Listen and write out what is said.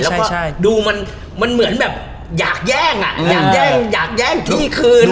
แล้วก็ดูมันเหมือนแบบอยากแย่งอ่ะอยากแย่งที่คืน